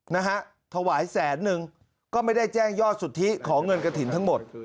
นะฮะถวายแสนนึงก็ไม่ได้แจ้งยอดสุทธิของเงินกระถิ่นทั้งหมด